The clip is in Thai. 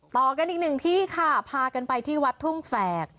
ต่อกันอีกหนึ่งที่ค่ะพากันไปที่วัดทุ่งแฝก